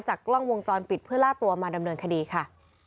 กล้องวงจรปิดเพื่อล่าตัวมาดำเนินคดีค่ะ